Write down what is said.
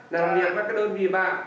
làm việc với các đơn vị bạn